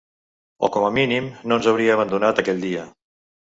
O com a mínim no ens hauria abandonat aquell dia.